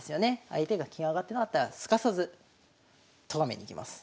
相手が金上がってなかったらすかさずとがめに行きます。